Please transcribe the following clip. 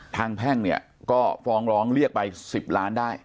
แพ่งเนี่ยก็ฟ้องร้องเรียกไป๑๐ล้านได้